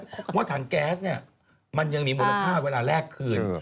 ว่าถังแก๊สเนี่ยมันยังมีมูลค่าเวลาแรกคืน